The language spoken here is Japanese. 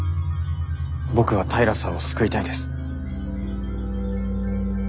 僕は平さんを救いたいです。